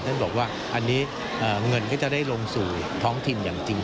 ท่านบอกว่าอันนี้เงินก็จะได้ลงสู่ท้องถิ่นอย่างจริง